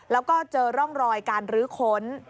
แล้วก็เจอร่องรอยการรื้อค้น